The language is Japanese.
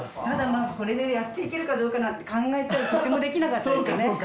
ただまぁこれでやっていけるかどうかなんて考えたらとてもできなかったですね。